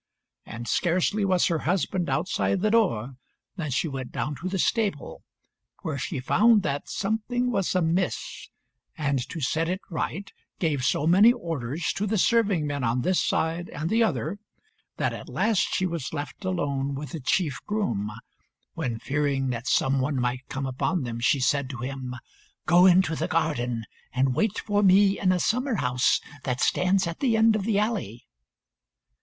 And scarcely was her husband outside the door than she went down to the stable, where she found that something was amiss, and to set it right gave so many orders to the serving men on this side and the other, that at last she was left alone with the chief groom, when, fearing that some one might come upon them, she said to him "Go into the garden, and wait for me in a summer house that stands at the end of the alley."